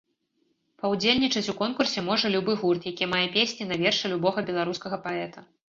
Паўдзельнічаць у конкурсе можа любы гурт, які мае песні на вершы любога беларускага паэта.